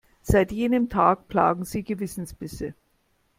Seit jenem Tag plagen sie Gewissensbisse.